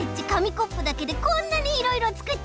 コップだけでこんなにいろいろつくっちゃった。